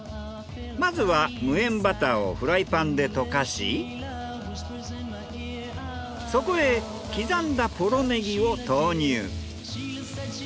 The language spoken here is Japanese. まずは無塩バターをフライパンで溶かしそこへ刻んだポロネギを投入。